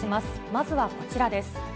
まずはこちらです。